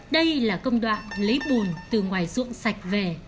đây là công đoạn lấy bùn từ ngoài ruộng sạch về